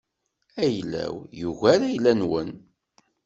Ayla-w yugar ayla-nwen.